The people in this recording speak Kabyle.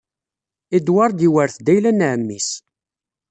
Edward yewṛet-d ayla n ɛemmi-s.